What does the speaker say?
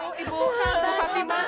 kita harus kejar saskia sekarang